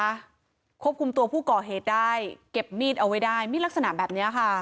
ควบคุมตัวผู้ก่อเหตุได้เก็บมีดเอาไว้ได้มีดลักษณะแบบนี้ค่ะ